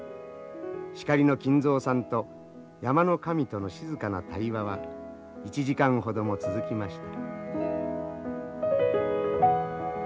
シカリの金蔵さんと山の神との静かな対話は１時間ほども続きました。